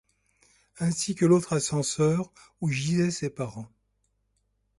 Ainsi que l’autre ascenseur où gisaient ses parents.